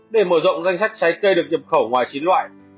để mở rộng danh sách trái cây được nhập khẩu ngoài chín loại